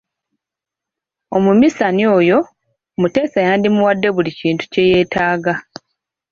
Omuminsani oyo, Muteesa yandimuwadde buli kintu kye yeetaaga.